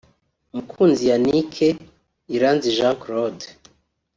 Mukunzi Yannick; Iranzi Jean Claude